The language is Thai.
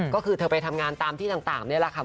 ก็คือเธอไปทำงานตามที่ต่างนี่แหละค่ะ